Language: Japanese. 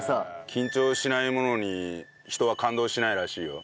緊張しないものに人は感動しないらしいよ。